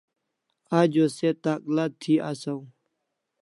Ajo se takl'a thi asaw